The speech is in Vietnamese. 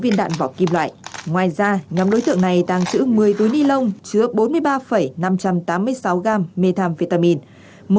bốn mươi sáu viên đạn vỏ kim loại ngoài ra nhóm đối tượng này đang chữ một mươi túi nilon chứa bốn mươi ba năm trăm tám mươi sáu gam methamphetamine